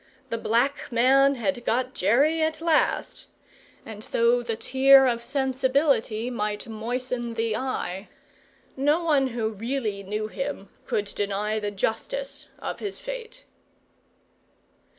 The Black Man had got Jerry at last; and though the tear of sensibility might moisten the eye, no one who really knew him could deny the justice of his fate.